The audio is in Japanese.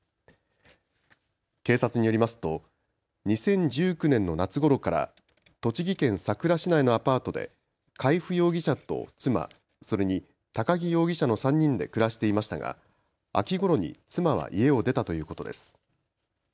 警察によりますと２０１９年の夏ごろから栃木県さくら市内のアパートで海部容疑者と妻、それに高木容疑者の３人で暮らしていましたが秋ごろに妻は家を出たということです。